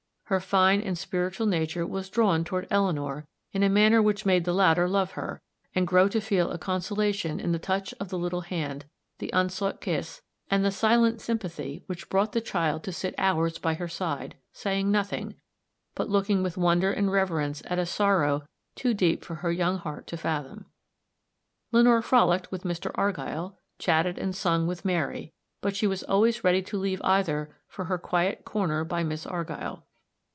Her fine and spiritual nature was drawn toward Eleanor in a manner which made the latter love her, and grow to feel a consolation in the touch of the little hand, the unsought kiss, and the silent sympathy which brought the child to sit hours by her side, saying nothing, but looking with wonder and reverence at a sorrow too deep for her young heart to fathom. Lenore frolicked with Mr. Argyll, chatted and sung with Mary; but she was always ready to leave either for her quiet corner by Miss Argyll.